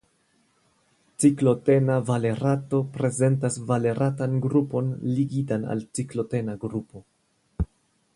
Ciklotena valerato prezentas valeratan grupon ligitan al ciklotena grupo.